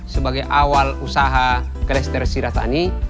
sebagai awal usaha klester siratani